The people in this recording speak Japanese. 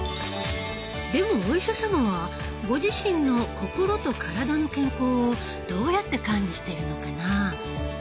でもお医者様はご自身の心と体の健康をどうやって管理しているのかな？